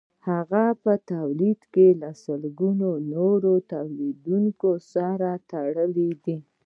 هغه په تولید کې له سلګونو نورو تولیدونکو سره تړلی دی